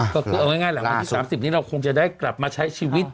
ก็คือเอาง่ายหลังวันที่๓๐นี้เราคงจะได้กลับมาใช้ชีวิต